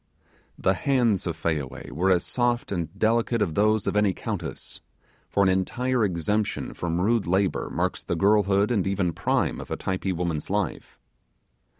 The hands of Fayaway were as soft and delicate as those of any countess; for an entire exemption from rude labour marks the girlhood and even prime of a Typee woman's life.